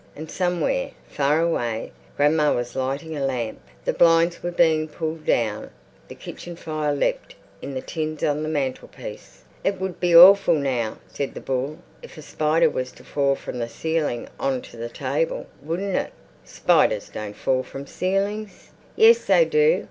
And somewhere, far away, grandma was lighting a lamp. The blinds were being pulled down; the kitchen fire leapt in the tins on the mantelpiece. "It would be awful now," said the bull, "if a spider was to fall from the ceiling on to the table, wouldn't it?" "Spiders don't fall from ceilings." "Yes, they do.